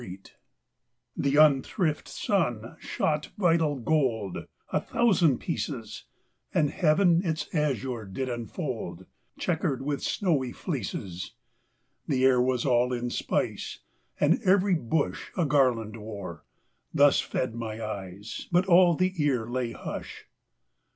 24 REGENERA TION 6 The unthrift sun shot vital g'old, A thousand pieces; And heaven its azure did unfold, Chequered with snowy fleeces; The air was all in spice, And evsry bush A garland wore ; thus fed my eyes, But all the ear lay hush.